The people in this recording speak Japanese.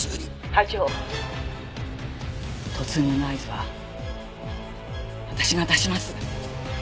「隊長」突入の合図は私が出します！